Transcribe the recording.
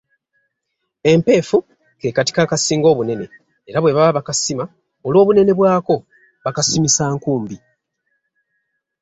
Empeefu ke katiko akasinga obunene era bwe baba bakasima olw'obunene bwako bakasimisa nkumbi.